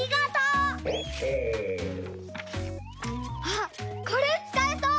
あっこれつかえそう！